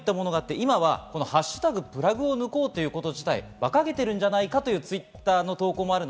今は「＃プラグを抜こう」ということ自体、ばかげているんじゃないかというＴｗｉｔｔｅｒの投稿もあります。